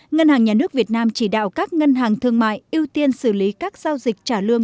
ngân hàng nhà nước việt nam chỉ đạo các ngân hàng thương mại ưu tiên xử lý các giao dịch trả lương